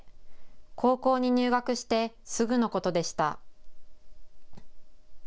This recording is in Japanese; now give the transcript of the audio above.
高校に入学してすぐのことでした。